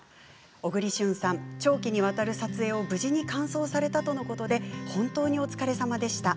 小栗旬さん、長期にわたる撮影を無事に完走されたとのことで本当にお疲れさまでした。